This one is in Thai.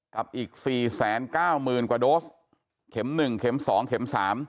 กับอีก๔๙๐๐๐กว่าโดสเข็ม๑เข็ม๒เข็ม๓